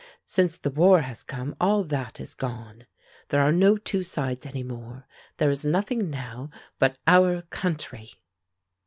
Since the war has come, all that is gone. There are no two sides, any more. There is nothing now but our country."